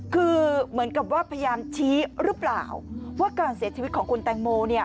คือเหมือนกับว่าพยายามชี้หรือเปล่าว่าการเสียชีวิตของคุณแตงโม